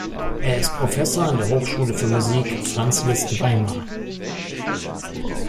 Er ist Professor an der Hochschule für Musik Franz Liszt Weimar.